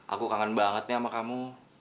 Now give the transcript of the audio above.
aku kangen banget nih sama kamu